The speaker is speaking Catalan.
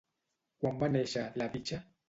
Quan va néixer La Bicha?